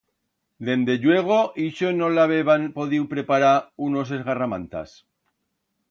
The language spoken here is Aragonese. Dende lluego, ixo no l'habeban podiu preparar unos esgarramantas.